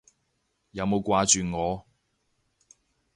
有冇掛住我？